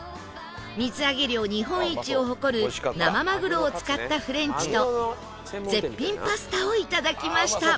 水揚げ量日本一を誇る生マグロを使ったフレンチと絶品パスタをいただきました